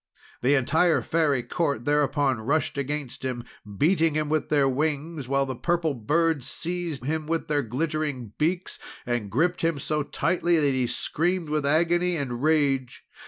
The entire Fairy Court thereupon rushed against him beating him with their wings, while the Purple Birds seized him with their glittering beaks and gripped him so tightly that he screamed with agony and rage.